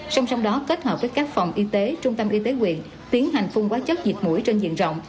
trong đó kết hợp với các phòng y tế trung tâm y tế quyền tiến hành phun quá chất dịch mũi trên diện rộng